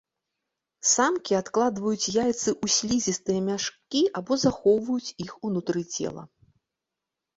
Самкі адкладваюць яйцы ў слізістыя мяшкі або захоўваюць іх унутры цела.